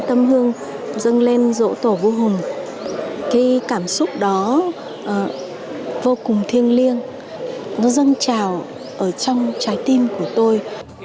tâm hương dâng lên dỗ tổ vô hùng cái cảm xúc đó vô cùng thiêng liêng nó dâng trào ở trong trái tim của tôi